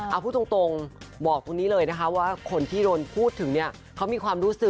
เอาพูดตรงบอกตรงนี้เลยนะคะว่าคนที่โดนพูดถึงเนี่ยเขามีความรู้สึก